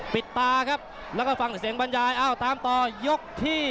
ปิดตาครับแล้วก็ฟังเสียงบรรยายอ้าวตามต่อยกที่